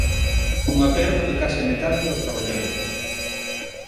Unha perda de case a metade dos traballadores.